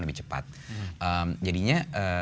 lebih cepat jadinya